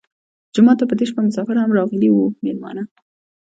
جومات ته په دې شپه مسافر هم راغلي وو مېلمانه.